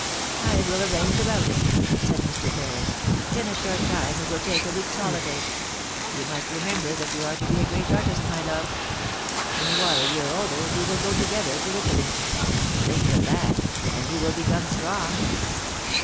*I will arrange about it,' said Mr. Ferris. *In a short time we will take a week's holiday. You must remember that you are to be a great artist, my love. When you are a year older we will go together to Italy. Think of that, and you will become strong.'